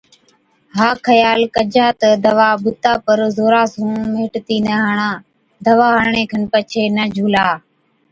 ها خيال ڪجا تہ دَوا بُتا پر زورا سُون مهٽتِي نہ هڻا، دَوا هڻڻي کن پڇي نہ جھُولا۔